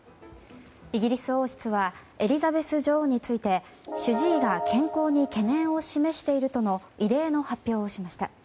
イギリス王室はエリザベス女王について主治医が健康に懸念を示しているとの異例の発表をしました。